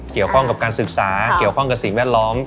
เกี่ยวข้องกับการศึกษาเกี่ยวข้องกับสิ่งแวดล้อม